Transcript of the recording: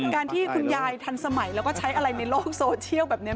การที่คุณยายทันสมัยแล้วก็ใช้อะไรในโลกโซเชียลแบบนี้